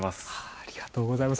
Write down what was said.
ありがとうございます。